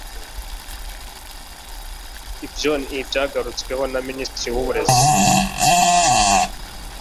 Ibyo ni ibyagarutsweho na Minisitiri w'Uburezi,